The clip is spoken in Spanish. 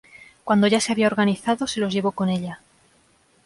Cuando ya se había organizado se los llevó con ella.